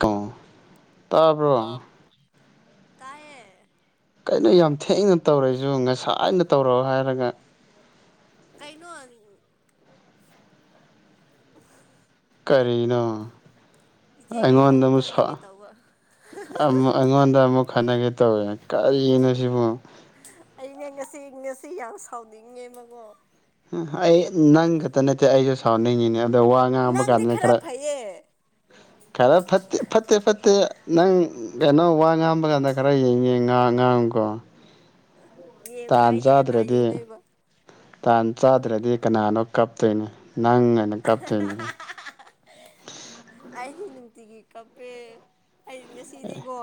ꯑꯣ ꯇꯥꯕ꯭ꯔꯣ ꯇꯥꯏꯌꯦ ꯀꯩꯅꯣ ꯌꯥꯝ ꯊꯦꯡꯅ ꯇꯧꯔꯛꯏꯁꯤꯕꯨ ꯉꯁꯥꯏꯅ ꯇꯧꯔꯛꯑꯣ ꯍꯥꯏꯔꯒ ꯀꯩꯅꯣ ꯀꯔꯤꯅꯣ ꯏꯆꯦꯒ ꯑꯩꯉꯣꯟꯗ ꯏꯕꯥꯅꯤ ꯑꯃꯨꯛ ꯁ ꯈꯟꯅꯒꯦ ꯇꯧꯕ ꯑ ꯑꯩꯉꯣꯟꯗ ꯑꯃꯨꯛ ꯈꯠꯅꯒꯦ ꯇꯧꯋꯦ ꯀꯔꯤꯅꯣ ꯁꯤꯕꯣ ꯑꯩꯅ ꯉꯁꯤ ꯉꯁꯤ ꯌꯥꯝ ꯁꯥꯎꯅꯤꯡꯉꯦꯕꯀꯣ ꯑꯩ ꯅꯪ ꯈꯠꯇ ꯅꯠꯇꯦ ꯑꯩꯁꯨ ꯁꯥꯎꯅꯤꯡꯉꯤꯅꯦ ꯑꯗ ꯋꯥꯉꯥꯡꯕ ꯅꯪꯗꯤ ꯀꯥꯟꯗꯅꯦ ꯈꯔ ꯐꯩꯌꯦ ꯈꯔ ꯐꯠꯇꯦ ꯐꯠꯇ ꯐꯠꯇꯦ ꯅꯪ ꯀꯩꯅꯣ ꯋꯥꯉꯥꯡꯕ ꯀꯥꯟꯗ ꯈꯔ ꯌꯦꯡ ꯌꯦꯡꯉ ꯉꯥ ꯉꯥꯡꯉꯨꯀꯣ ꯌꯦꯡꯉꯣꯏ ꯇꯥꯟ ꯑꯩꯗꯤ ꯀꯅꯥ ꯆꯥꯗ꯭ꯔꯗꯤ ꯌꯦꯡꯗꯣꯏꯕ ꯇꯥꯟ ꯆꯥꯗ꯭ꯔꯗꯤ ꯀꯅꯥꯅꯣ ꯀꯞꯇꯣꯏꯅꯤ ꯅꯪ ꯑꯣꯏꯅ ꯀꯞꯇꯣꯏꯅꯤ ꯇꯤꯒꯤ ꯀꯞꯄꯦ ꯑꯩ ꯉꯁꯤꯗꯤꯀꯣ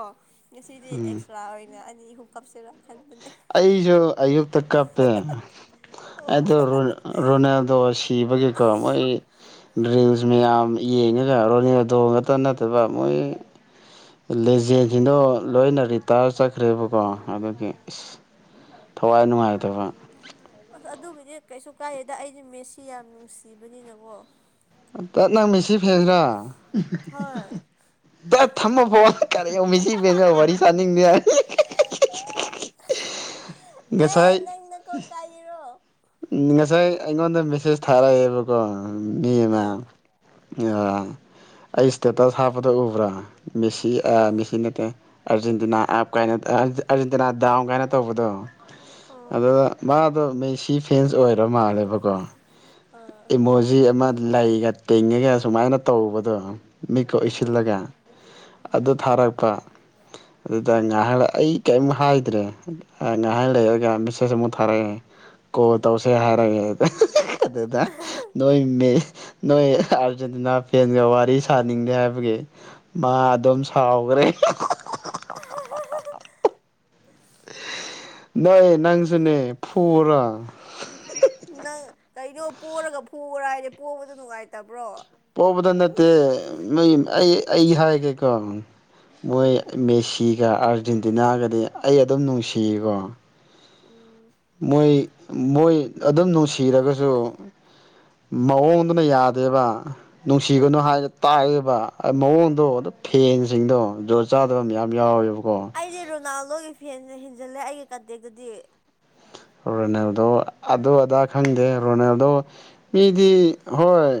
ꯉꯁꯤꯗꯤ ꯑꯦꯛꯁꯇ꯭ꯔꯥ ꯑꯣꯏꯅ ꯃꯤꯍꯨ ꯀꯞꯁꯤꯔꯥ ꯈꯟꯕꯅꯦ ꯑꯩꯁꯨ ꯑꯌꯨꯛꯇ ꯀꯞꯄꯦ ꯑꯣ ꯑꯗꯣ ꯔꯣ ꯔꯣꯅꯥꯜꯗꯣ ꯁꯤ ꯀꯤꯕꯒꯤꯀꯣ ꯃꯣꯏ ꯔꯤꯜꯁ ꯃꯌꯥꯝ ꯌꯦꯡꯉꯒ ꯔꯣꯅꯦꯜꯗꯣꯉꯛꯇ ꯅꯠꯇꯕ ꯃꯣꯏ [inaudible] ꯂꯦꯖꯦꯁꯤꯡꯗꯣ ꯂꯣꯏꯅ ꯔꯤꯇꯥꯌ꯭ꯔ ꯆꯠꯈ꯭ꯔꯦꯕꯀꯣ ꯑꯗꯨꯒꯤ ꯏ꯭ꯁ ꯊꯋꯥꯏ ꯅꯨꯡꯉꯥꯏꯇꯕ ꯑꯗꯨꯒꯤꯗꯤ ꯀꯩꯁꯨ ꯀꯥꯏꯗꯦꯗ ꯑꯩꯗꯤ ꯃꯦꯁꯤ ꯌꯥꯝ ꯅꯨꯡꯁꯤꯕꯅꯤꯅꯀꯣ ꯇꯠ ꯅꯪ ꯃꯦꯁꯤ ꯐꯦꯟꯂꯥ ꯍꯣꯏ ꯗꯠ ꯊꯝꯃꯣ ꯐꯣꯟ ꯀꯔꯤꯌꯣ ꯃꯦꯁꯤ ꯐꯦꯟꯒ ꯋꯥꯔꯤ ꯁꯥꯅꯤꯡꯗꯦ ꯑꯦ ꯉꯁꯥꯏ ꯅꯪ ꯅꯀꯣꯛ ꯀꯥꯏꯔꯤꯔꯣ ꯉꯁꯥꯏ ꯑꯩꯉꯣꯟꯗ ꯃꯦꯁꯦꯁ ꯊꯥꯔꯛꯑꯦꯕꯀꯣ ꯃꯤ ꯑꯃ ꯑ ꯎꯝꯑ ꯑꯩ ꯁ꯭ꯇꯦꯇꯁ ꯍꯥꯞꯄꯗꯣ ꯎꯕ꯭ꯔꯥ ꯃꯦꯁꯤ ꯑꯥ ꯃꯦꯁꯤ ꯅꯠꯇꯦ ꯑꯥꯔꯖꯦꯟꯇꯤꯅꯥ ꯑꯞ ꯀꯥꯏꯅ ꯑꯥ ꯑꯥꯔꯖꯦꯟꯇꯤꯅꯥ ꯗꯥꯎꯟ ꯀꯥꯏꯅ ꯇꯧꯕꯗꯣ ꯑꯣ ꯑꯗꯨ ꯑꯗꯣ ꯃꯦꯁꯤ ꯐꯦꯟꯁ ꯑꯣꯏꯔ ꯃꯥꯜꯂꯦꯕꯀꯣ ꯑꯥ ꯏꯃꯣꯖꯤ ꯑꯃ ꯂꯩꯒ ꯇꯤꯡꯉꯒ ꯁꯨꯃꯥꯏꯅ ꯇꯧꯕꯗꯣ ꯃꯤꯠꯀ ꯑꯥ ꯎꯏꯁꯤꯜꯂꯒ ꯑꯗꯨ ꯊꯥꯔꯛꯄ ꯑꯗꯨꯗ ꯉꯥꯏꯍꯥꯛ ꯑꯩ ꯀꯔꯤꯝ ꯍꯥꯏꯗ꯭ꯔꯦ ꯉꯥꯏꯍꯥꯛ ꯎꯝ ꯂꯩꯔꯒ ꯃꯦꯁꯦꯖ ꯑꯃꯨꯛ ꯊꯥꯔꯛꯑꯦ ꯐꯣꯟ ꯇꯧꯁꯦꯔ ꯍꯥꯏꯔꯛꯑꯦ ꯑꯗꯨꯗ ꯅꯣꯏ ꯃꯦ ꯅꯣꯏ ꯑꯥꯔꯖꯦꯟꯇꯤꯅꯥ ꯐꯦꯟꯒ ꯋꯥꯔꯤ ꯁꯥꯅꯤꯡꯗꯦ ꯍꯥꯏꯕꯒꯤ ꯃꯥ ꯑꯗꯨꯝ ꯁꯥꯎꯈ꯭ꯔꯦ ꯑ [inaudible] ꯥꯍꯥ ꯍꯥ ꯎꯛ ꯅꯣꯏ ꯅꯪꯁꯨꯅꯦ ꯐꯨꯔꯣ ꯍꯤ ꯍꯤ ꯍꯤ ꯅꯪ ꯀꯩꯅꯣ ꯄꯣꯔꯒ ꯐꯨꯔꯥ ꯍꯥꯏꯗꯤ ꯄꯣꯕꯗꯣ ꯅꯨꯡꯉꯥꯏꯇꯕ꯭ꯔꯣ ꯄꯣꯕꯗꯣ ꯅꯠꯇꯦ ꯑꯩ ꯑꯩ ꯍꯥꯏꯒꯦꯀꯣ ꯃꯣꯏ ꯎꯝ ꯃꯦꯁꯤꯒ ꯑꯥꯔꯖꯦꯟꯇꯤꯅꯥꯒꯗꯤ ꯑꯩ ꯑꯗꯨꯝ ꯅꯨꯡꯁꯤꯌꯦꯀꯣ ꯎꯝ ꯃꯣꯏ ꯃꯣꯏ ꯑꯗꯨꯝ ꯅꯨꯡꯁꯤꯔꯒꯁꯨ ꯃꯑꯣꯡꯗꯨꯅ ꯌꯥꯗꯦꯕ ꯅꯨꯡꯁꯤꯒꯅꯨ ꯍꯥꯏꯅ ꯇꯥꯛꯌꯦꯕ ꯃꯑꯣꯡꯗꯣ ꯑꯗꯨ ꯐꯦꯟꯁꯤꯡꯗꯣ ꯖꯨꯒꯣꯠ ꯆꯥ ꯑꯩꯗꯤ ꯔꯣꯅꯥꯜꯗꯣꯒꯤ ꯐꯦꯟꯅ ꯍꯦꯟꯖꯤꯜꯂꯦ ꯑꯩꯒꯤ ꯀꯟꯇꯦꯛꯇꯗꯤ ꯔꯣꯅꯦꯜꯗꯣ ꯑꯗꯨ ꯑꯗꯥ ꯈꯪꯗꯦ ꯔꯣꯅꯦꯜꯗꯣ ꯃꯤꯗꯤ ꯍꯣꯏ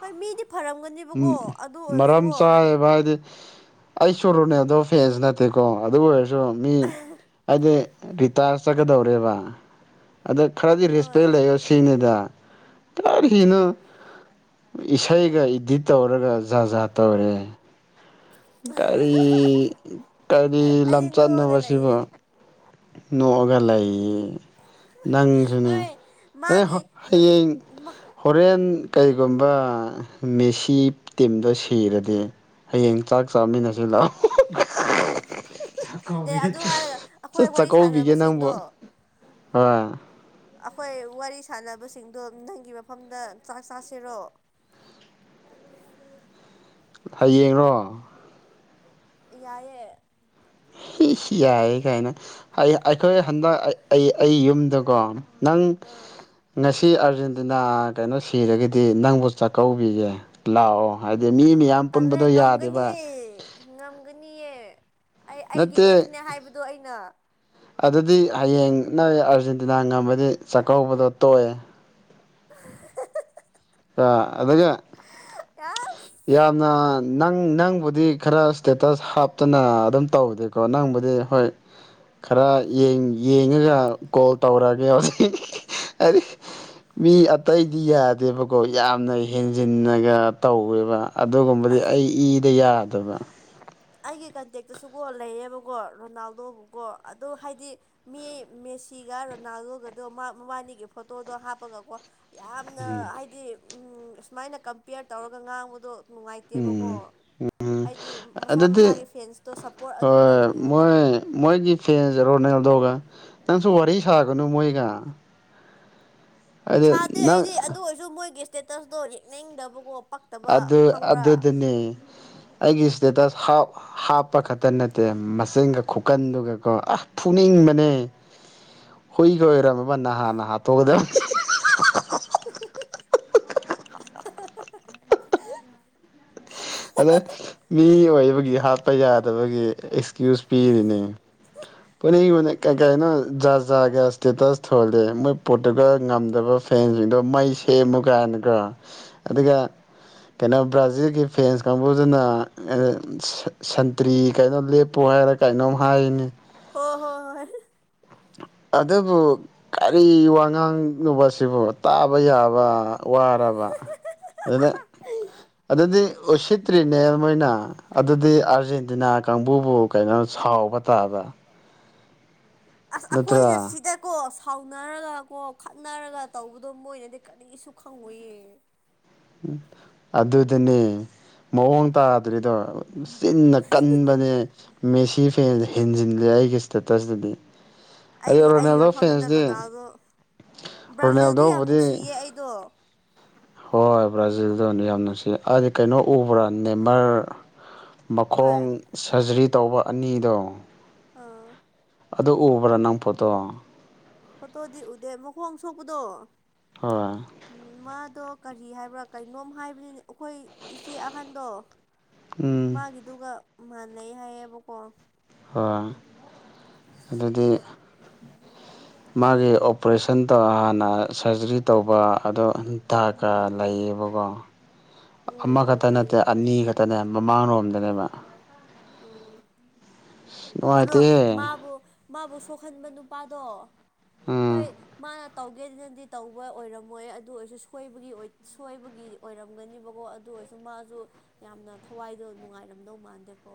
ꯍꯣꯏ ꯃꯤꯗꯤ ꯐꯔꯝꯒꯅꯦꯕꯀꯣ ꯎꯝ ꯑꯗꯨ ꯃꯔꯝ ꯑꯣꯏꯔꯁꯨꯀꯣ ꯆꯥꯏꯌꯦꯕ ꯍꯥꯏꯗꯤ ꯑꯩ ꯁꯨꯔꯨꯅꯦ ꯑꯗꯣ ꯐꯦꯟꯁ ꯅꯠꯇꯦꯀꯣ ꯑꯗꯨ ꯑꯣꯏꯔꯁꯨ ꯃꯤ ꯍꯥꯏꯗꯤ ꯔꯤꯇꯥꯔ ꯆꯠꯀꯗꯧꯔꯦꯕ ꯑꯗ ꯈꯔꯗꯤ ꯔꯦꯁꯄꯦꯛ ꯍꯣꯏ ꯂꯩꯌꯣ ꯁꯤꯅꯤꯗ ꯀꯔꯤꯅꯣ ꯏꯁꯩꯒꯥ ꯗꯤ ꯇꯧꯔꯒ ꯖꯥꯠ ꯖꯥ ꯠ ꯇꯧꯔꯦ ꯀꯔꯤ ꯀꯔꯤ ꯑꯩꯗꯤ ꯅꯣꯛꯑꯒ ꯂꯝꯆꯠꯅꯣꯕ ꯁꯤꯕꯨ ꯂꯩꯌꯦ ꯅꯣꯛꯑꯒ ꯂꯩꯌꯦ ꯅꯪꯖꯨꯅꯦ ꯍꯣꯏ ꯑꯦ ꯃꯥꯒꯤ ꯍꯌꯦꯡ ꯍꯣꯔꯦꯟ ꯀꯔꯤꯒꯨꯝꯕ ꯃꯦꯁꯤ ꯇꯤꯝꯗꯣ ꯁꯤꯔꯗꯤ ꯍꯌꯦꯡ ꯆꯥꯛ ꯆꯥꯃꯤꯟꯅꯁꯤ ꯂꯥꯎ ꯑꯦ ꯑꯗꯨ ꯍꯥꯏꯔꯒ ꯆꯠ ꯑꯩꯈꯣꯏ ꯋꯥꯔꯤ ꯆꯥꯛꯀꯧꯕꯤꯒꯦ ꯅꯪꯕꯨ ꯁꯥꯟꯅꯕꯁꯤꯡꯗꯣ ꯍꯣꯏ ꯑꯩꯈꯣꯏ ꯋꯥꯔꯤ ꯁ ꯁꯥꯅꯕꯁꯤꯡꯗꯣ ꯅꯪꯒꯤ ꯃꯐꯝꯗ ꯆꯥꯛ ꯆꯥꯁꯤꯔꯣ ꯍꯌꯦꯡꯔꯣ ꯌꯥꯏꯌꯦ ꯁꯤ ꯌꯥꯏ ꯀꯥꯏꯅ ꯑꯩꯈꯣꯏ ꯍꯟꯗꯛ ꯑꯩ ꯑꯩ ꯌꯨꯝꯗꯀꯣ ꯅꯪ ꯑꯥ ꯉꯁꯤ ꯑꯥꯔꯖꯦꯟꯇꯤꯅꯥ ꯀꯩꯅꯣꯁꯤ ꯁꯤꯔꯒꯗꯤ ꯅꯪꯕꯨ ꯆꯥꯛꯀꯧꯕꯤꯒꯦ ꯂꯥꯛꯑꯣ ꯍꯥꯏꯗꯤ ꯃꯤ ꯑꯍ ꯃꯌꯥꯝ ꯇꯂꯦ ꯄꯨꯟꯕꯗꯣ ꯉꯝꯒꯅꯤ ꯌꯥꯗꯦꯕ ꯉꯝꯒꯅꯤꯌꯦ ꯑꯩ ꯑꯩꯒꯤ ꯅꯠꯇꯦ ꯑꯦꯛꯁꯅꯦ ꯍꯥꯏꯕꯗꯣ ꯑꯩꯅ ꯑꯗꯨꯗꯤ ꯍꯌꯦꯡ ꯅꯣꯏ ꯑꯥꯔꯖꯦꯟꯇꯤꯅꯥ ꯉꯝꯔꯗꯤ ꯆꯥꯛꯀꯧꯕꯗꯣ ꯇꯣꯛꯑꯦ [inaudible] ꯑ ꯑꯗꯨꯒ ꯑꯁ ꯌꯥꯝꯅ ꯅꯪ ꯅꯪꯕꯨꯗꯤ ꯈꯔ ꯏꯁꯇꯦꯇꯁ ꯍꯥꯞꯇꯅ ꯑꯗꯨꯝ ꯇꯧꯗꯦꯀꯣ ꯅꯪꯕꯨꯗꯤ ꯍꯣꯏ ꯈꯔ ꯌꯦꯡ ꯌꯦꯡꯉꯒ ꯀꯣꯜ ꯇꯧꯔꯛꯑꯒꯦ ꯍꯧꯖꯤꯛ ꯃꯤ ꯑꯇꯩꯗꯤ ꯌꯥꯗꯦꯕ ꯀꯣ ꯌꯥꯝꯅ ꯍꯦꯟꯖꯤꯟꯅꯒ ꯇꯧꯋꯦꯕ ꯑꯗꯨꯒꯨꯝꯕꯗꯤ ꯑꯁ ꯑꯩ ꯏꯗ ꯌꯥꯗꯕ ꯑꯩꯒꯤ ꯀꯟꯇꯦꯛꯇꯁꯨꯀꯣ ꯂꯩꯌꯦꯕꯀꯣ ꯔꯣꯅꯥꯜꯗꯣꯒꯀꯣ ꯑꯗꯨ ꯍꯥꯏꯗꯤ ꯃꯤ ꯃꯦꯁꯤꯒ ꯔꯣꯅꯥꯜꯒꯣꯒꯗꯣ ꯃꯕꯥꯅꯤꯒꯤ ꯐꯣꯇꯣꯗꯣ ꯍꯥꯞꯄꯒꯀꯣ ꯌꯥꯝꯅ ꯍꯥꯏꯗꯤ ꯎꯝ ꯁꯨꯃꯥꯏꯅ ꯀꯝꯄꯤꯌꯔ ꯇꯧꯔꯒ ꯉꯥꯡꯕꯗꯣ ꯅꯨꯡꯉꯥꯏꯇꯦꯕꯀꯣ ꯎꯝ ꯍꯥꯏꯗꯤ ꯃꯁꯥ ꯑꯗꯨꯗꯤ ꯃꯁꯥꯒꯤ ꯐꯦꯟꯁꯇꯣ ꯁꯞꯄꯣꯔꯠ ꯑꯗꯨꯝ ꯍꯣꯏ ꯇꯧꯕꯤꯌꯣꯕ ꯃꯣꯏ ꯃꯣꯏꯒꯤ ꯐꯦꯟꯁ ꯔꯣꯅꯦꯜꯗꯣꯒ ꯅꯪꯁꯨ ꯋꯥꯔꯤ ꯁꯥꯒꯅꯨ ꯃꯣꯏꯒ ꯑꯗꯨ ꯁꯥꯗꯦ ꯅꯪ ꯑꯩꯗꯤ ꯑꯗꯨ ꯑꯣꯏꯔꯁꯨ ꯃꯣꯏꯒꯤ ꯏꯁꯇꯦꯇꯁꯇꯣ ꯌꯦꯛꯅꯤꯡꯗꯕꯀꯣ ꯑꯗꯨ ꯑꯗꯨꯅꯦ ꯑꯩ ꯏꯁꯇꯦꯇꯁ ꯍꯥꯄ ꯍꯥꯞꯄ ꯈꯛꯇ ꯅꯠꯇꯦ ꯃꯆꯤꯟꯒ ꯈꯨꯀꯟꯗꯨꯒꯀꯣ ꯑꯁ ꯐꯨꯅꯤꯡꯕꯅꯦ ꯍꯨꯏꯒ ꯑꯣꯏꯔꯝꯃꯕ ꯅꯍꯥꯟꯅ ꯍꯥꯇꯣꯛꯀꯗꯕ [inaudible] ꯑꯗ ꯃꯤ ꯑꯣꯏꯕꯒꯤ ꯍꯥꯠꯄ ꯌꯥꯗꯕꯒꯤ ꯑꯦꯛꯁꯀ꯭ꯌꯨꯁ ꯄꯤꯔꯤꯅꯦ ꯄꯨꯨꯅꯩꯕꯅ ꯀꯀꯩꯅꯣ ꯖ ꯥꯠ ꯖꯥꯠ ꯏꯁꯇꯦꯇꯁ ꯊꯣꯜꯂꯦ ꯃꯣꯏ ꯄꯣꯔꯇꯨꯒ ꯉꯝꯗꯕ ꯐꯦꯟꯁꯤꯡꯗꯣ ꯃꯩ ꯁꯦꯝꯃꯨ ꯀꯥꯏꯅꯒ ꯑꯗꯨꯒ ꯀꯩꯅꯣ ꯕ꯭ꯔꯥꯖꯤꯜꯒꯤ ꯐꯦꯟꯁ ꯀꯥꯡꯕꯨꯗꯨꯅ ꯁꯟꯇ꯭ꯔꯤ ꯀꯩꯅꯣ ꯂꯦꯞꯄꯣ ꯍꯥꯏꯔꯒ ꯀꯩꯅꯣꯝ ꯍꯥꯏꯅꯦ ꯍꯣꯏ ꯍꯣꯏ ꯍꯣꯏ ꯑꯗꯨꯕꯨ ꯀꯔꯤ ꯋꯥ ꯉꯥꯡꯅꯣꯕ ꯁꯤꯕꯨ ꯇꯥꯕ ꯌꯥꯕ ꯋꯥꯔꯕ ꯑꯗꯨꯅ ꯑꯗꯨꯗꯤ ꯇ꯭ꯔꯤꯅꯦ ꯃꯣꯏꯅ ꯑꯗꯨꯗꯤ ꯑꯥꯔꯖꯦꯟꯇꯤꯅꯥ ꯀꯥꯡꯕꯨꯕꯨ ꯀꯩꯅꯣ ꯁꯥꯎꯕ ꯇꯥꯕ ꯑꯁ ꯅꯠꯇ꯭ꯔꯥ ꯑꯩꯈꯣꯏꯅ ꯁꯤꯗꯀꯣ ꯁꯥꯎꯅꯔꯒ ꯀꯣ ꯈꯠꯅꯔꯒ ꯇꯧꯕꯗꯣ ꯃꯣꯏꯅꯗꯤ ꯀꯔꯤꯁꯨ ꯈꯪꯉꯣꯏꯌꯦ ꯎ ꯑꯗꯨꯗꯅꯦ ꯃꯑꯣꯡ ꯇꯥꯗ꯭ꯔꯤꯗꯣ ꯆꯤꯟꯅ ꯀꯟꯕꯅꯦ ꯃꯦꯁꯤ ꯐꯦꯟꯁꯦ ꯍꯦꯟꯖꯤꯜꯂꯦ ꯑꯩꯒꯤ ꯏꯁꯇꯦꯇꯁꯇꯗꯤ ꯑꯗꯣ ꯑꯩ ꯑꯩꯒꯤ ꯔꯣꯅꯥꯜꯗꯣ ꯃꯐꯝꯗꯅ ꯐꯦꯟꯁꯇꯤ ꯔꯣꯅꯥꯜꯗꯣ ꯕ꯭ꯔꯥꯖꯤꯜꯗꯤ ꯌꯥꯝ ꯔꯣꯅꯥꯜꯗꯣꯕꯨꯗꯤ ꯅꯨꯡꯁꯤꯌꯦ ꯑꯩꯗꯣ ꯍꯣꯏ ꯕ꯭ꯔꯥꯖꯤꯜꯗꯣ ꯌꯥꯝ ꯅꯨꯡꯁꯤ ꯍꯥꯏꯗꯤ ꯀꯩꯅꯣ ꯎꯕ꯭ꯔꯥ ꯅꯦꯝꯃꯔ ꯍꯣꯏ ꯃꯈꯣꯡ ꯁ꯭ꯔꯖꯔꯤ ꯇꯧꯕ ꯑꯅꯤꯗꯣ ꯑꯥ ꯑꯗꯨ ꯎꯕ꯭ꯔꯥ ꯅꯪ ꯐꯣꯇꯣ ꯐꯣꯇꯣꯗꯤ ꯎꯗꯦ ꯃꯈꯣꯡ ꯁꯣꯛꯄꯗꯣ ꯍꯣꯏ ꯎꯝ ꯃꯥꯗꯣ ꯀꯔꯤ ꯍꯥꯏꯕ꯭ꯔꯥ ꯀꯩꯅꯣꯝ ꯍꯥꯏꯕꯅꯤꯅꯦ ꯑꯩꯈꯣꯏ ꯏꯆꯦ ꯑꯍꯟꯗꯣ ꯎꯝ ꯃꯥꯒꯤꯗꯨꯒ ꯃꯥꯟꯅꯩ ꯍꯥꯏꯌꯦꯕꯀꯣ ꯍꯣꯏ ꯑꯗꯨꯗꯤ ꯑꯗꯣ ꯃꯥꯒꯤ ꯑꯣꯄꯔꯦꯁꯟ ꯇꯧꯔ ꯍꯥꯟꯅ ꯁꯔꯖꯔꯤ ꯇꯧꯕ ꯑꯗꯣ ꯊꯀ ꯂꯩꯌꯦꯕ ꯀꯣ ꯎꯝ ꯑꯃꯈꯛꯇ ꯂꯩꯍꯦ ꯅꯠꯇꯦ ꯑꯅꯤ ꯈꯛꯇꯅꯦ ꯃꯃꯥꯡꯂꯣꯝꯗꯅꯦꯕ [inaudible] ꯑꯗꯣ ꯅꯨꯡꯉꯥꯏꯇꯦꯍꯦ ꯃꯥꯕꯨ ꯃꯥꯕꯨ ꯁꯣꯛꯍꯟꯕ ꯅꯨꯄꯥꯗꯣ ꯎꯝ ꯍꯣꯏ ꯃꯥꯅ ꯇꯧꯒꯦꯗꯅꯗꯤ ꯇꯧꯕ ꯑꯣꯏꯔꯝꯃꯣꯏ ꯑꯗꯨ ꯑꯣꯏꯔꯁꯨ ꯁꯣꯏꯕꯒꯤ ꯁꯣꯏꯕꯒꯤ ꯑꯣꯏꯔꯝꯒꯅꯤꯕꯀꯣ ꯑꯗꯨ ꯑꯣꯏꯁꯨ ꯃꯥꯁꯨ ꯌꯥꯝꯅ ꯊꯋꯥꯏꯗꯣ ꯅꯨꯡꯉꯥꯏꯔꯝꯗꯧ ꯃꯥꯟꯗꯦꯀꯣ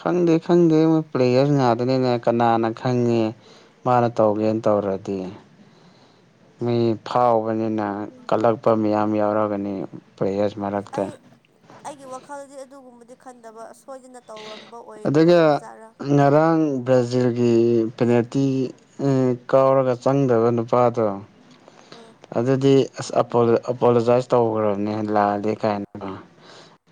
ꯈꯪꯗꯦ ꯈꯪꯗꯦ ꯃꯣꯏ ꯄ꯭ꯂꯦꯌ꯭ꯔ ꯉꯥꯛꯇꯅꯤꯅꯦ ꯀꯅꯥꯅ ꯈꯪꯉꯦ ꯃꯥꯅ ꯇꯧꯒꯦꯅ ꯇꯧꯔ ꯑꯗꯤ [inaudible] ꯃꯤ ꯐꯥꯎꯕꯅꯤꯅ ꯀꯜꯂꯛꯄ ꯃꯤꯌꯥꯝ ꯌꯥꯎꯔꯒꯅꯤ ꯄ꯭ꯂꯦꯌꯔꯁ ꯑꯩ ꯃꯔꯛꯇ ꯑꯩꯒꯤ ꯋꯥꯈꯜꯗꯤ ꯑꯗꯨꯒꯨꯝꯕꯗꯤ ꯈꯟꯗꯕ ꯑ꯭ꯁ ꯑꯗꯨꯒ ꯉꯔꯥꯡ ꯕ꯭ꯔꯥꯖꯤꯜꯒꯤ ꯒꯤ ꯄꯦꯅꯥꯜꯇꯤꯒꯤ ꯎꯝ ꯀꯥꯎꯔꯒ ꯆꯪꯗꯕ ꯅꯨꯄꯥꯗꯣ ꯑꯥ ꯑꯗꯨꯗꯤ ꯑꯁ ꯑꯄꯣꯂꯣ ꯑꯄꯣꯂꯣꯖꯥꯏꯁ ꯇꯧꯒ꯭ꯔꯕꯅꯦ ꯂꯥꯜꯂꯦ ꯀꯥꯏꯅꯀꯣ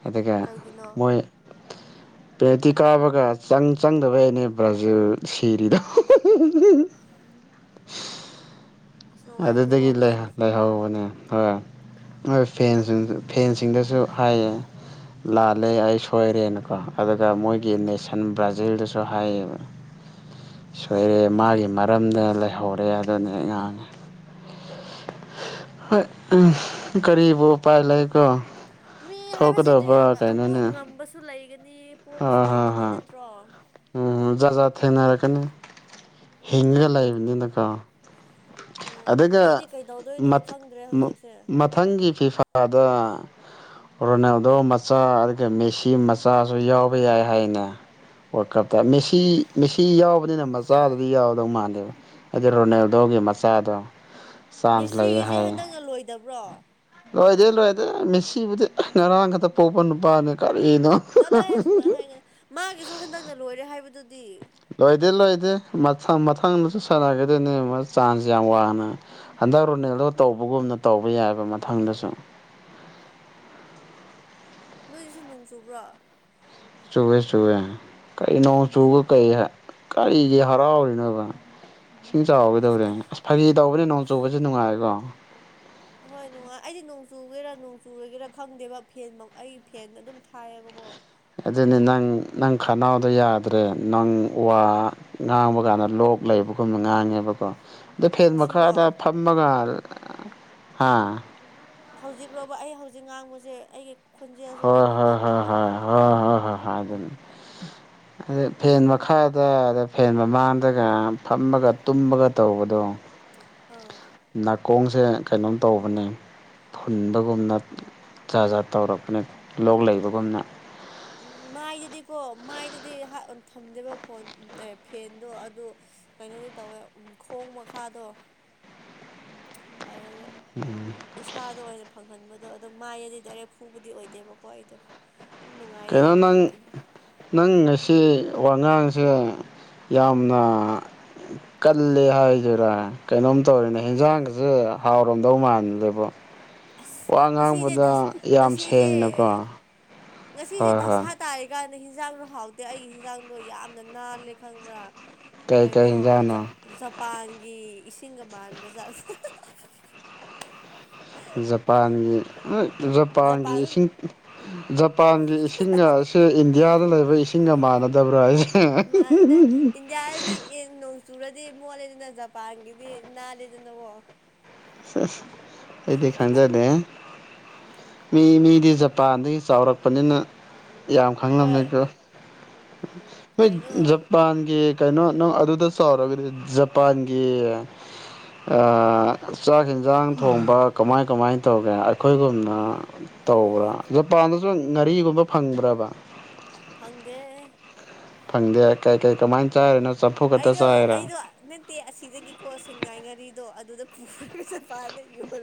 ꯑꯗꯨꯒ ꯀꯩꯒꯤꯅꯣ ꯃꯣꯏ [unintelligible] ꯄꯦꯜꯇꯤ ꯀꯥꯎꯕꯒ ꯆꯪ ꯆꯪꯗꯕꯩꯅꯦ ꯕ꯭ꯔꯥꯖꯤꯜ ꯁꯤꯔꯤꯗꯣ [unintelligible] [inaudible] ꯅꯨꯡꯉꯥꯏꯇꯦꯀꯣ ꯑꯗꯨꯗꯒꯤ ꯂꯩ ꯃꯣꯏꯗꯨꯁꯨ ꯂꯩꯍꯧꯕꯅꯦ ꯑꯥ ꯍꯣꯏ ꯐꯦꯟꯁ ꯁꯤꯡꯁꯨ ꯐꯦꯟꯁꯤꯡꯗꯨꯁꯨ ꯍꯥꯏꯌꯦ ꯂꯥꯜꯂꯦ ꯑꯩ ꯁꯣꯏꯔꯦꯅꯀꯣ ꯑꯗꯨꯒ ꯃꯣꯏꯒꯤ ꯅꯦꯁꯟ ꯕ꯭ꯔꯥꯖꯤꯜꯗꯁꯨ ꯍꯥꯏꯌꯦꯕ ꯁꯣꯏꯔꯦ ꯃꯥꯒꯤ ꯃꯔꯝꯗ ꯂꯩꯍꯧꯔꯦ ꯑꯗꯨꯅꯦ ꯉꯥꯡꯉꯤ ꯍꯣꯏ ꯎꯝ ꯀꯔꯤꯕꯨ ꯎꯄꯥꯏ ꯂꯩꯀꯣ ꯃꯤ ꯊꯣꯛꯀꯗꯕ ꯀꯩꯅꯣꯅꯦ ꯅꯦ ꯄꯣꯕꯁꯨ ꯍꯣꯏ ꯍꯣꯏ ꯂꯩꯒꯅꯤ ꯍꯣꯏ ꯅꯠꯇ꯭ꯔꯣ ꯎꯝ ꯖꯥ ꯖꯥꯠ ꯊꯦꯡꯅꯔꯛꯀꯅꯤ ꯍꯤꯡꯉꯒ ꯂꯩꯕꯅꯤꯅꯀꯣ ꯑꯗꯨꯒ ꯑꯩꯗꯤ ꯀꯩꯗꯧꯗꯣꯏꯅꯣ ꯃ ꯈꯪꯗ꯭ꯔꯦ ꯃ ꯍꯧꯖꯤꯛꯁꯦ ꯃꯊꯪꯒꯤ ꯐꯤꯐꯥꯗ ꯔꯣꯅꯥꯜꯗꯣ ꯃꯆꯥ ꯑꯗꯨꯒ ꯃꯦꯁꯤ ꯃꯆꯥꯁꯨ ꯌꯥꯎꯕ ꯌꯥꯏ ꯍꯥꯏꯅꯦ ꯋꯥꯔꯜ ꯀꯞꯇ ꯃꯦꯁꯤ ꯃꯦꯁꯤ ꯌꯥꯎꯕꯅꯤꯅ ꯃꯆꯥꯗꯨꯗꯤ ꯌꯥꯎꯗꯧ ꯃꯥꯟꯗꯦꯗ ꯑꯗꯨ ꯔꯣꯅꯦꯜꯗꯣꯒꯤ ꯃꯆꯥꯗꯣ ꯆꯥꯟꯁ ꯂꯩꯌꯦ ꯃꯦꯁꯤꯒꯤꯁꯦ ꯍꯥꯏꯌꯦ ꯍꯟꯗꯛꯅ ꯂꯣꯏꯗꯕ꯭ꯔꯣ ꯂꯣꯏꯗꯦ ꯂꯣꯏꯗꯦ ꯃꯦꯁꯤꯕꯨꯗꯤ ꯉꯔꯥꯡ ꯈꯛꯇ ꯄꯣꯛꯄ ꯅꯨꯄꯥꯅꯦ ꯀ ꯆꯠꯂꯣꯍꯦ ꯁꯨꯃꯥꯏꯅ ꯍꯥꯏꯅꯨ ꯃꯥꯒꯤꯁꯨ ꯍꯟꯗꯛꯅ ꯂꯣꯏꯔꯦ ꯍꯥꯏꯕꯗꯨꯗꯤ ꯂꯣꯏꯗꯦ ꯂꯣꯏꯗꯦ ꯃꯊꯪ ꯃꯊꯪꯗꯁꯨ ꯁꯥꯟꯅꯒꯗꯣꯏꯅꯦ ꯃꯥ ꯆꯥꯟꯁ ꯌꯥꯝ ꯋꯥꯡꯅ ꯍꯟꯗꯛ ꯔꯣꯅꯦꯜꯗꯣ ꯇꯧꯕꯒꯨꯝꯅ ꯇꯧꯕ ꯌꯥꯏꯕ ꯃꯊꯪꯗꯁꯨ ꯅꯣꯏꯗꯁꯨ ꯅꯣꯡ ꯆꯨꯕ꯭ꯔꯥ ꯆꯨꯋꯦ ꯆꯨꯋꯦ ꯀꯔꯤ ꯅꯣꯡ ꯆꯨꯒ ꯀꯩ ꯀꯔꯤꯒꯤ ꯍꯔꯥꯎꯋꯤꯅꯣꯕ ꯏꯁꯤꯡ ꯆꯥꯎꯒꯗꯧꯔꯦ ꯑꯁ ꯑ꯭ꯁ ꯐꯥꯒꯤ ꯇꯧꯕꯅꯦ ꯅꯣꯡ ꯆꯨꯕꯁꯦ ꯅꯨꯡꯉꯥꯏꯀꯣ ꯍꯣꯏ ꯅꯨꯡꯉꯥꯏ ꯑꯩꯗꯤ ꯅꯣꯡ ꯆꯨꯒꯦꯔꯥ ꯅꯣꯡ ꯆꯨꯨꯔꯣꯏꯒꯦꯔꯥ ꯈꯪꯗꯦꯕ ꯐꯦꯟ ꯃ ꯑꯩ ꯐꯦꯟ ꯑꯗꯨꯝ ꯊꯥꯏ ꯕꯀꯣ ꯑꯗꯨꯅꯤ ꯅꯪ ꯅꯪ ꯈꯅꯥꯎꯗꯣ ꯌꯥꯗ꯭ꯔꯦ ꯅꯪ ꯋꯥ ꯉꯥꯡꯕ ꯀꯥꯟꯗ ꯂꯣꯛ ꯂꯣꯛ ꯂꯩꯕꯒꯨꯝꯅ ꯉꯥꯡꯉꯦꯕꯀꯣ ꯑꯗꯣ ꯐꯦꯟ ꯉꯁꯤꯔꯣ ꯃꯈꯥꯗ ꯐꯝꯃꯒ ꯍꯥꯥ ꯍꯧꯖꯤꯛꯂꯣꯕ ꯑꯩ ꯍꯧꯖꯤꯛ ꯉꯥꯡꯕꯁꯦ ꯑꯩꯒꯤ ꯈꯣꯟꯖꯦꯜꯁꯦ ꯍꯣꯏ ꯀꯩꯅꯣꯝ ꯍꯣꯏ ꯍꯣꯏ ꯇꯧꯕ꯭ꯔꯕ ꯍꯣꯏ ꯍꯣꯏ ꯍꯣꯏ ꯍ ꯍ ꯑꯗꯨꯅꯤ ꯑꯗ ꯐꯦꯟ ꯃꯈꯥꯗ ꯑꯗ ꯐꯦꯟ ꯃꯃꯥꯡꯗꯒ ꯐꯝꯃꯒ ꯇꯨꯝꯕꯒ ꯇꯧꯕꯗꯣ ꯑ ꯅꯥꯀꯣꯡꯁꯦ ꯀꯩꯅꯣꯝ ꯇꯧꯕꯅꯦ ꯐꯨꯟꯕꯒꯨꯝꯅ ꯖꯥꯠ ꯖꯥꯠ ꯇꯧꯔꯛꯄꯅꯤ ꯂꯣꯛ ꯂꯩꯕꯒꯨꯝꯅ ꯎꯝ ꯃꯥꯏꯗꯗꯤꯀꯣ ꯃꯥꯏꯗꯗꯤ ꯊꯝꯗꯦꯕ ꯐꯣꯟ ꯑꯦ ꯐꯦꯟꯗꯣ ꯑꯗꯨ ꯀꯩꯅꯣꯒꯤ ꯩ ꯇꯧꯋꯦ ꯎꯝ ꯈꯣꯡ ꯃꯈꯥꯗꯣ ꯑꯗꯨꯗ ꯏꯁꯥꯗ ꯑꯣꯏꯅ ꯐꯪꯍꯟꯕꯗꯣ ꯑꯗꯨ ꯃꯥꯏꯗꯗꯤ ꯗꯥꯏꯔꯦꯛ ꯐꯨꯕꯗꯤ ꯑꯣꯏꯗꯦꯕꯀꯣ ꯑꯩꯗꯣ ꯅꯨꯡꯉꯥꯏꯌꯦ ꯀꯩꯅꯣ ꯅꯪ ꯑꯗꯨꯗꯤ ꯑꯩꯗꯤ ꯅꯪ ꯉꯁꯤ ꯋꯥꯉꯥꯡꯁꯦ ꯌꯥꯝꯅ ꯀꯜꯂꯦ ꯍꯥꯏꯖꯤꯔꯥ ꯀꯩꯅꯣꯝ ꯇꯧꯔꯤꯅꯦ ꯍꯦꯟꯖꯥꯡꯒꯁꯦ ꯍꯥꯎꯔꯝꯗꯧ ꯃꯥꯜꯗꯦꯕ ꯑꯁ ꯋꯥ ꯉꯁꯤꯁꯦ ꯉꯥꯡꯕꯗ ꯗꯁ ꯌꯥꯝ ꯉꯁꯤꯁꯦ ꯁꯦꯡꯅꯀꯣ ꯉꯁꯤꯁꯦ ꯍꯣꯏ ꯍꯣꯏ ꯗꯁꯥ ꯇꯥꯔꯤ ꯀꯥꯟꯗ ꯍꯟꯖꯥꯡꯗꯣ ꯍꯥꯎꯇꯦ ꯑꯩꯒꯤ ꯍꯟꯖꯥꯡꯗꯣ ꯌꯥꯝꯅ ꯅꯥꯜꯂꯦ ꯈꯪꯕ꯭ꯔꯥ ꯀꯩ ꯀꯩ ꯀꯩꯅꯣ ꯖ ꯍꯦꯟꯖꯥꯡꯅꯣ ꯖꯄꯥꯟꯒꯤ ꯏꯁꯤꯡꯒ ꯃꯥꯟꯕꯖꯥꯠ ꯖꯄꯥꯟꯒꯤ ꯍꯣꯏ ꯖꯄꯥꯟꯒꯤ ꯖꯄꯥꯟ ꯏꯁꯤꯡ ꯖꯄꯥꯟꯒꯤ ꯏꯁꯤꯡꯁꯦ ꯏꯟꯗꯤꯌꯥꯗ ꯂꯩꯕ ꯍꯣꯏ ꯏꯁꯤꯡꯒ ꯃꯥꯟꯅꯗꯕ꯭ꯔꯥ ꯍꯥꯏ ꯃꯥꯟꯅꯗ ꯏꯟꯗꯤꯌꯥꯗꯗꯤ ꯌꯦꯟ ꯅꯨꯡ ꯆꯨꯔꯗꯤ ꯃꯣꯠꯂꯦꯗꯅ ꯖꯄꯥꯟꯒꯤꯗꯤ ꯅꯥꯜꯂꯤꯗꯅꯀꯣ ꯑꯩꯗꯤ ꯈꯪꯖꯗꯦ ꯃꯤ ꯃꯤꯗꯤ ꯖꯄꯥꯟꯗꯒꯤ ꯆꯥꯎꯔꯛꯄꯅꯤꯅ ꯌꯥꯝ ꯍꯣꯏ ꯈꯪꯂꯝꯃꯦꯀꯣ ꯅꯣꯏ ꯀꯩꯅꯣ ꯖꯄꯥꯟꯒꯤ ꯀꯩꯅꯣ ꯅꯪ ꯑꯗꯨꯗ ꯆꯥꯎꯔꯒꯗꯤ ꯖꯄꯥꯟꯒꯤ ꯑꯥ ꯆꯥꯛ ꯌꯦꯟꯖꯥꯡ ꯊꯣꯡꯕ ꯀꯃꯥꯏ ꯀꯃꯥꯏꯅ ꯇꯧꯒꯦ ꯑꯩꯈꯣꯏꯒꯨꯝꯅ ꯇꯧꯕ꯭ꯔꯥ ꯖꯄꯥꯟꯗꯁꯨ ꯉꯥꯔꯤꯒꯨꯝꯕ ꯐꯪꯕ꯭ꯔꯕ ꯐꯪꯗꯦꯍꯦ ꯐꯪꯗꯦ ꯀꯩ ꯀꯩ ꯀꯃꯥꯏꯅ ꯆꯥꯏꯔꯤꯅ ꯑꯩꯗꯣ ꯑꯩꯗꯣ ꯅꯠꯇꯦ ꯑꯁꯤꯗꯒꯤꯀꯣ ꯁꯦꯡꯃꯥꯏ ꯉꯥꯔꯤꯗꯣ ꯑꯗꯨꯗ ꯄꯨꯔꯒ ꯆ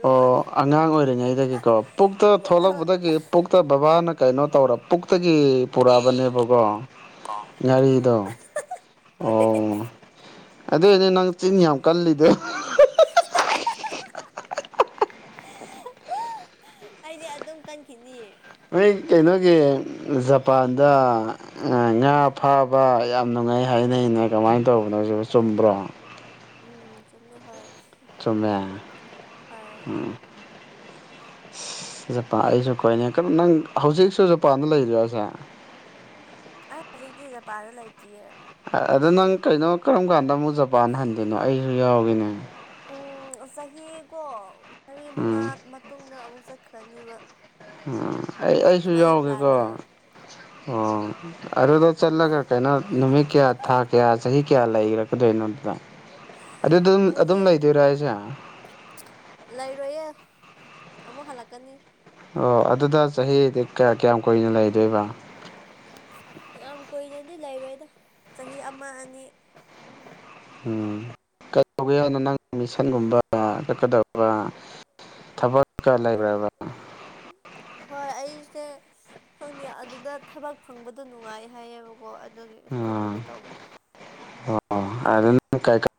ꯑꯣ ꯑꯉꯥꯡ ꯑꯣꯏꯔꯤꯉꯩꯗꯒꯤꯀꯣ ꯄꯨꯛꯇ ꯍꯣꯏ ꯊꯣꯛꯂꯛꯄꯗꯒꯤ ꯄꯨꯛꯇ ꯕꯕꯥꯅ ꯀꯩꯅꯣ ꯇꯧꯔ ꯄꯨꯛꯇꯒꯤ ꯄꯨꯔꯛꯑꯕꯅꯦꯕꯀꯣ ꯑꯥ ꯉꯥꯔꯤꯗꯣ ꯍꯣꯏ ꯑꯣ ꯑꯗꯨ ꯏꯗꯤꯅꯪ ꯆꯤꯟ ꯌꯥꯝ ꯀꯜꯂꯤꯗꯣ ꯑꯩꯗꯤ ꯑꯗꯨꯝ ꯀꯟꯈꯤꯅꯤꯌꯦ ꯅꯣꯏ ꯀꯩꯅꯣꯒꯤ ꯖꯄꯥꯟꯗ ꯉꯥ ꯐꯥꯕ ꯌꯥꯝꯅ ꯅꯨꯡꯉꯥꯏꯍꯥꯏꯅꯩꯅ ꯀꯃꯥꯏꯅ ꯇꯧꯕꯅꯣ ꯁꯤꯕꯨ ꯆꯨꯝꯕ꯭ꯔꯣ ꯎꯝ ꯆꯨꯝꯃꯦ ꯍꯣꯏ ꯆ ꯨꯝꯃꯦ ꯍꯣꯏ ꯎꯝ [inaudible] ꯖꯄꯥꯟ ꯑꯩꯁꯨ ꯀꯣꯏꯅꯤ ꯀꯩꯅꯣ ꯅꯪ ꯍꯧꯖꯤꯛꯁꯨ ꯖꯄꯥꯟꯗ ꯂꯩꯔꯤꯁꯦ ꯑꯩ ꯍꯧꯖꯤꯛꯇꯤ ꯖꯄꯥꯟꯗ ꯂꯩꯇ꯭ꯔꯤꯌꯦꯕ ꯑꯗ ꯅꯪ ꯀꯩꯅꯣ ꯀꯔꯝ ꯀꯥꯟꯗ ꯑꯃꯨꯛ ꯖꯄꯥꯟ ꯍꯟꯗꯣꯏꯅꯣ ꯑꯩꯁꯨ ꯌꯥꯎꯒꯦꯅꯦ ꯎꯝ ꯆꯍꯤꯀꯣ ꯃꯔꯤ ꯃꯉꯥ ꯎꯝ ꯃꯇꯨꯡꯗ ꯑꯃꯨꯛ ꯆꯠꯈ꯭ꯔꯅꯦꯕ ꯎꯝ ꯑꯩ ꯑꯩꯁꯨ ꯌꯥꯎꯒꯦꯀꯣ ꯂꯩꯌꯦ ꯑꯣ ꯑꯗꯨꯗ ꯆꯠꯂꯒ ꯀꯅꯥ ꯅꯨꯃꯤꯠ ꯀꯌꯥ ꯊꯥ ꯀꯌꯥ ꯆꯍꯤ ꯀꯌꯥ ꯂꯩꯈ꯭ꯔꯀꯗꯣꯏꯅꯣꯗꯨꯗ ꯑꯗꯨꯗ ꯑꯗꯨꯝ ꯑꯩꯁꯦ ꯂꯩꯗꯣꯏꯔꯣ ꯑꯩꯁꯦ ꯂꯩꯔꯣꯏꯌꯦ ꯑꯃꯨꯛ ꯍꯜꯂꯛꯀꯅꯤ ꯑꯣ ꯑꯗꯨꯗ ꯆꯍꯤꯗꯤ ꯀꯌꯥ ꯀꯌꯥꯝ ꯀꯨꯏꯅ ꯂꯩꯗꯣꯏꯕ ꯌꯥꯝ ꯀꯨꯏꯅꯗꯤ ꯂꯩꯔꯣꯏꯗ ꯆꯍꯤ ꯑꯃ ꯑꯅꯤ ꯎꯝ ꯀꯩ ꯇꯧꯒꯦꯅꯣ ꯅꯪ ꯃꯤꯁꯟꯒꯨꯝꯕ ꯀꯠꯀꯗꯧꯕ ꯊꯕꯛꯀ ꯂꯩꯕ꯭ꯔꯕ ꯍꯣꯏ ꯑꯩꯁꯦ ꯈꯪꯅꯤꯡ ꯑꯗꯨꯗ ꯊꯕꯛ ꯐꯪꯕꯗꯣ ꯅꯨꯡꯉꯥꯏ ꯍꯥꯏꯌꯦꯕꯀꯣ ꯑꯗꯨꯒꯤ ꯆꯜꯂꯨꯒꯦ ꯇꯧꯕ ꯑꯥꯗꯨꯅ ꯀꯥꯏ ꯀꯥꯏ